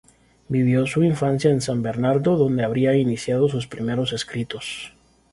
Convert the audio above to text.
Vivió su infancia en San Bernardo donde habría iniciado sus primeros escritos.